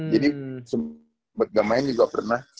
jadi sempet ga main juga pernah